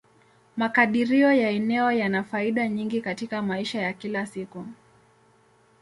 Makadirio ya eneo yana faida nyingi katika maisha ya kila siku.